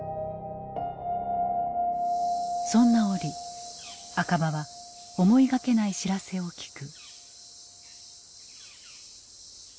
そんな折赤羽は思いがけない知らせを聞く。